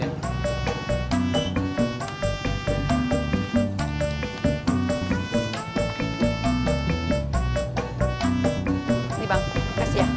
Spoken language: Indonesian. ini bang kasih ya